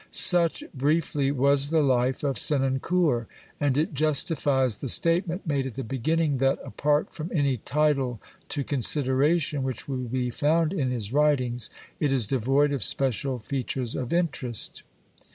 b xvHi BIOGRAPHICAL AND Such, briefly, was the life of Senancour, and it justifies the statement made at the beginning, that, apart from any title to consideration which will be found in his writings, it is devoid of special features of interest.